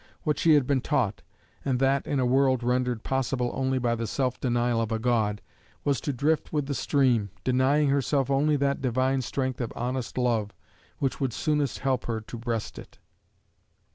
What she had been taught and that in a world rendered possible only by the self denial of a God was to drift with the stream, denying herself only that divine strength of honest love, which would soonest help her to breast it.